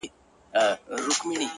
• چي حاضره يې شېردل ته بوډۍ مور کړه,